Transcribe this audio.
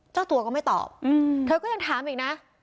เจ้าตัวก็ไม่ตอบเธอก็ยังถามอีกนะ